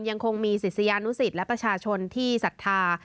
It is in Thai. ยังคงมีศิษยานุสิตและประชาชนที่ศรัทธา